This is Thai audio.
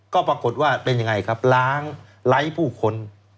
ก็ปรากฏว่าเป็นยังไงครับล้างไร้ผู้คน